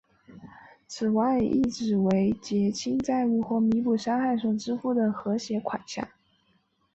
此外亦指为结清债务或弥补伤害所支付的和解款项。